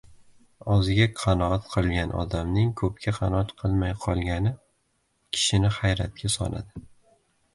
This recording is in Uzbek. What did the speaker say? • Ozga qanoat qilgan odamning ko‘pga qanoat qilmay qolgani kishini hayratga soladi.